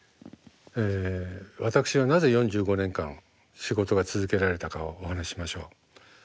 私はなぜ４５年間仕事が続けられたかをお話ししましょう。